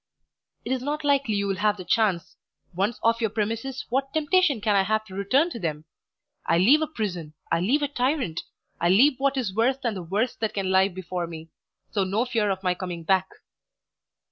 "It is not likely you'll have the chance; once off your premises, what temptation can I have to return to them? I leave a prison, I leave a tyrant; I leave what is worse than the worst that can lie before me, so no fear of my coming back."